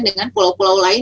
dengan pulau pulau lain